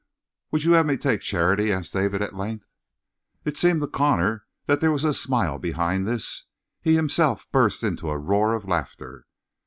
"Would you have me take charity?" asked David at length. It seemed to Connor that there was a smile behind this. He himself burst into a roar of laughter.